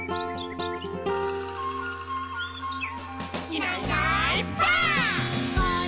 「いないいないばあっ！」